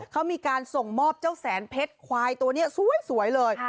เขามีการส่งมอบเจ้าแสนเพชรควายตัวนี้สวยเลย